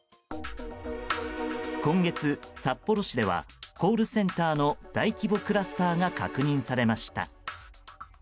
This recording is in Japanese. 今月、札幌市ではコールセンターの大規模クラスターが確認されました。